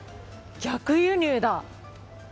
逆輸入だ。